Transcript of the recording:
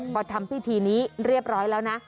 พอทำพิธีนี้เรียบร้อยแล้วนะ